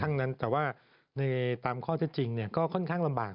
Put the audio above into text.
ทั้งนั้นแต่ว่าในตามข้อเท็จจริงก็ค่อนข้างลำบาก